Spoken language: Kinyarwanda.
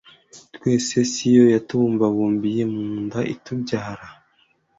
twese se si yo yatubumbabumbiye mu nda itubyara